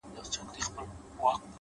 o چي ټوله ورځ ستا د مخ لمر ته ناست وي؛